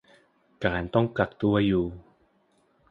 การต้องกักตัวอยู่